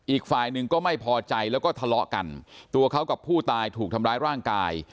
อีกฝ่ายหนึ่งก็ไม่พอใจแล้วก็ทะเลาะกันตัวเขากับผู้ตายถูกทำร้ายร่างกาย